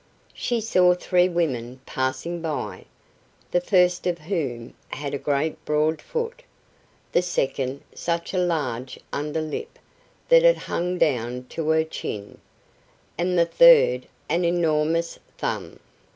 She saw three women passing by, the first of whom had a great broad foot, the second such a large under lip that it hung down to her chin, and the third an enormous thumb.